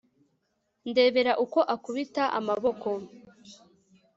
ndebera uko akubita amaboko